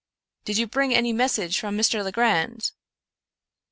" "Did you bring any message from Mr. Legrand?"